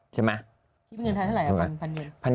ชิบเงินเท่าไหร่๑๐๐๐เยน